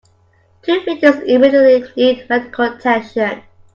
Two victims immediately need medical attention.